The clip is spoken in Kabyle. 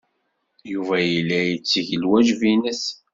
Yuba yella yetteg lwajeb-nnes.